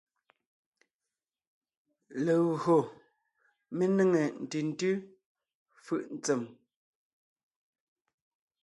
Legÿo mé nêŋe ntʉ̀ntʉ́ fʉʼ ntsèm.